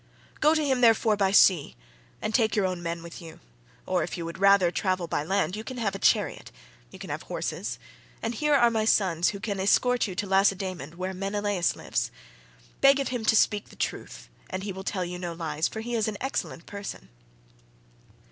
Go to him, therefore, by sea, and take your own men with you; or if you would rather travel by land you can have a chariot, you can have horses, and here are my sons who can escort you to Lacedaemon where Menelaus lives. Beg of him to speak the truth, and he will tell you no lies, for he is an excellent person."